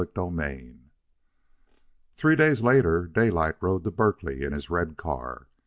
CHAPTER XXIV Three days later, Daylight rode to Berkeley in his red car.